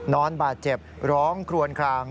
นอนบาดเจ็บร้องคลวนคลาง